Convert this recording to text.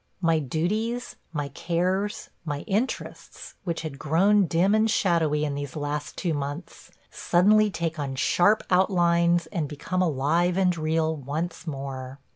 My duties, my cares, my interests, which had grown dim and shadowy in these last two months, suddenly take on sharp outlines and become alive and real once more.